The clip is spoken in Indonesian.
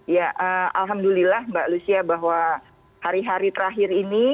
ya alhamdulillah mbak lucia bahwa hari hari terakhir ini